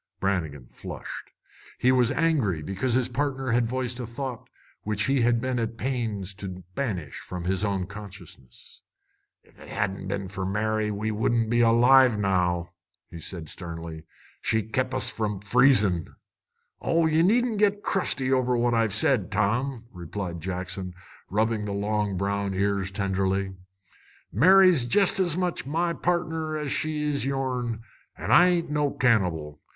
Brannigan flushed. He was angry because his partner had voiced a thought which he had been at pains to banish from his own consciousness. "Ef it hadn't a' been fer Mary, we wouldn't be alive now," said he sternly. "She's kep' us from freezin'." "Oh, ye needn't git crusty over what I've said, Tom," replied Jackson, rubbing the long brown ears tenderly. "Mary's jest as much my pardner as she is yourn, an' I ain't no cannibal.